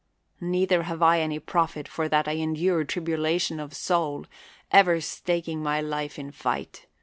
Neither have I any profit for that I endured tribulation of soul, ever staking my life in fight.